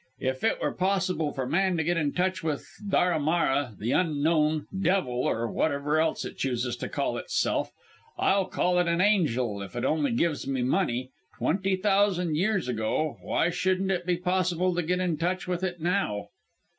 If it were possible for man to get in touch with Daramara the Unknown Devil, or whatever else it chooses to call itself I'll call it an angel if it only gives me money twenty thousand years ago why shouldn't it be possible to get in touch with it now?